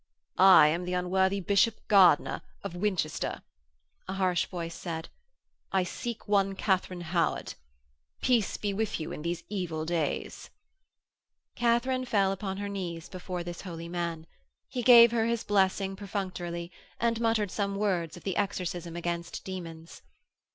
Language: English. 'I am the unworthy Bishop Gardiner, of Winchester,' a harsh voice said. 'I seek one Katharine Howard. Peace be with you in these evil days.' Katharine fell upon her knees before this holy man. He gave her his blessing perfunctorily, and muttered some words of the exorcism against demons.